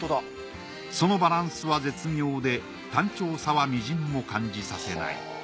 そのバランスは絶妙で単調さはみじんも感じさせない。